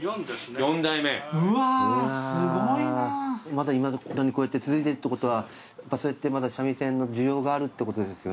いまだにこうやって続いてるってことはそうやってまだ三味線の需要があるってことですよね。